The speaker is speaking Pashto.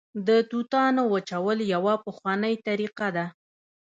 د توتانو وچول یوه پخوانۍ طریقه ده